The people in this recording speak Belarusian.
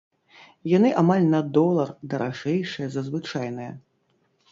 Яны амаль на долар даражэйшыя за звычайныя.